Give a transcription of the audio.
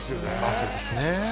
そうですね